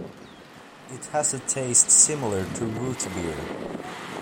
It has a taste similar to root beer.